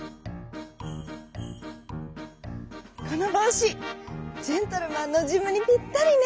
「このぼうしジェントルマンのジムにぴったりね」